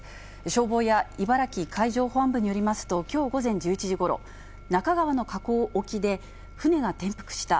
消防や茨城海上保安部によりますと、きょう午前１１時ごろ、那珂川の河口沖で、船が転覆した。